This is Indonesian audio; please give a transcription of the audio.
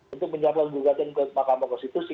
untuk menyiapkan gugatan ke mahkamah konstitusi